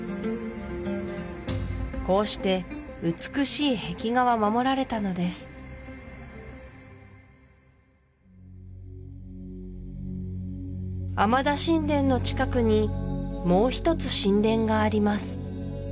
こうして美しい壁画は守られたのですアマダ神殿の近くにもう一つ神殿があります